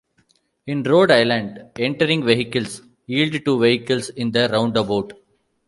In Rhode Island entering vehicles Yield to vehicles in the roundabout.